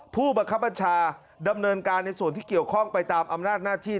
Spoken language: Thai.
ผู้บังคับบัญชาดำเนินการในส่วนที่เกี่ยวข้องไปตามอำนาจหน้าที่